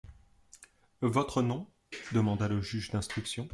Votre nom ? demanda le juge d'instruction.